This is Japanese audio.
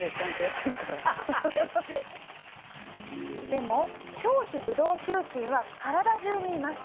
でも表皮ブドウ球菌は体中にいます。